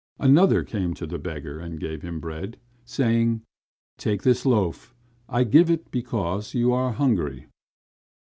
Another came to the beggar and gave him bread, saying: "Take this loaf; I give it because you are hungry."